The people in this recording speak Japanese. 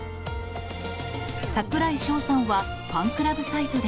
櫻井翔さんはファンクラブサイトで。